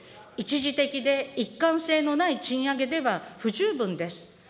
一時的で一貫性のない賃上げでは、不十分です。